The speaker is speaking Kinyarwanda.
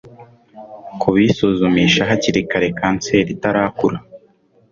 Ku bisuzumisha hakiri kare kanseri itarakura